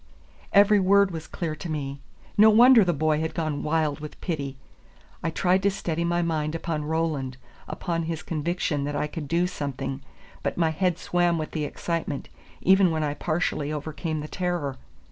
Every word was clear to me. No wonder the boy had gone wild with pity. I tried to steady my mind upon Roland, upon his conviction that I could do something, but my head swam with the excitement, even when I partially overcame the terror.